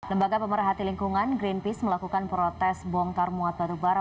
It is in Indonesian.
lembaga pemerhati lingkungan greenpeace melakukan protes bongkar muat batubara